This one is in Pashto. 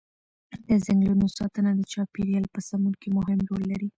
د ځنګلونو ساتنه د چاپیریال په سمون کې مهم رول لري.